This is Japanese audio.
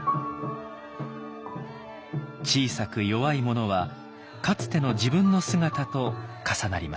小さく弱い者はかつての自分の姿と重なりました。